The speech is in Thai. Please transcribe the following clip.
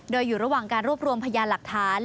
โดยอยู่ระหว่างการรวบรวมพยานหลักฐาน